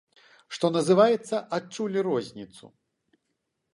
Што называецца, адчулі розніцу.